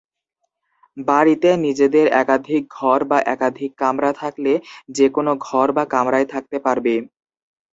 বাড়ীতে নিজেদের একাধিক ঘর বা একাধিক কামরা থাকলে যে কোন ঘর বা কামরায় থাকতে পারবে।